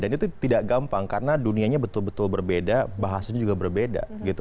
dan itu tidak gampang karena dunianya betul betul berbeda bahasanya juga berbeda